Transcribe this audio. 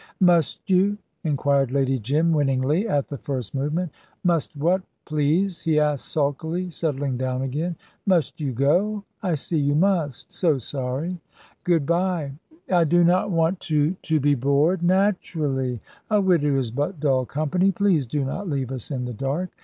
"Must you?" inquired Lady Jim, winningly, at the first movement. "Must what, please," he asked sulkily, settling down again. "Must you go? I see you must. So sorry. Good bye." "I do not want to " "To be bored. Naturally; a widow is but dull company. Please do not leave us in the dark.